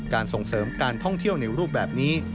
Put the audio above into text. ส่งเสริมการท่องเที่ยวในรูปแบบนี้